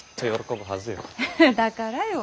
だからよ。